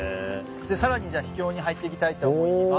さらに秘境に入っていきたいと思います。